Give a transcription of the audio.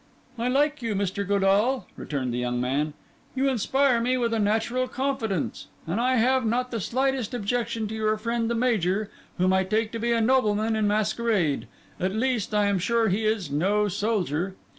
"I like you, Mr. Godall," returned the young man; "you inspire me with a natural confidence; and I have not the slightest objection to your friend the Major, whom I take to be a nobleman in masquerade. At least, I am sure he is no soldier."